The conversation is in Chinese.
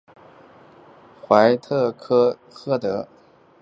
怀特黑德和其他志同道合的人想超越这个限制。